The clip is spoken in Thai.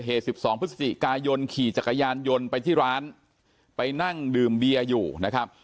สิบสองพฤศจิกายนขี่จักรยานยนต์ไปที่ร้านไปนั่งดื่มเบียร์อยู่นะครับ